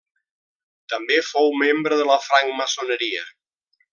També fou membre de la francmaçoneria.